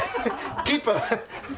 キーパー。